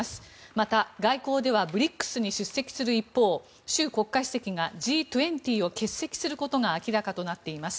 また、外交ではＢＲＩＣＳに出席する一方習国家主席がＧ２０を欠席することが明らかとなっています。